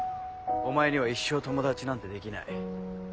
お前には一生友達なんてできない。